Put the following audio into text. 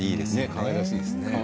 かわいらしいですね。